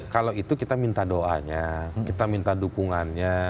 kalau itu kita minta doanya kita minta dukungannya